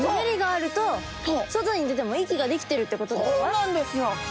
そうなんですよ！